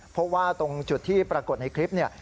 เพราะว่าตรงจุดที่ปรากฏในคลิปเนี่ย